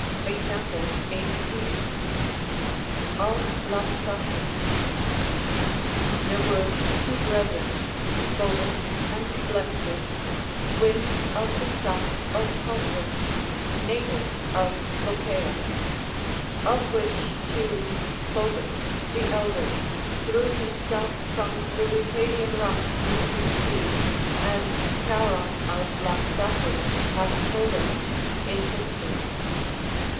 Example 18. Of Lampsace. There Λvere two brethren, Phobus and Blepsus, twins of the stock of Codrus, natives of Phocaea ; of which two Phobus, the elder, threw himself from the Leucadian rocks into the sea, as Charon of Lampsacus hath told us in his tory.